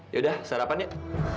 yaudah sarapan yuk